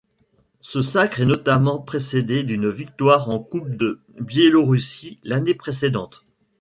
Ce sacre est notamment précédé d'une victoire en Coupe de Biélorussie l'année précédente.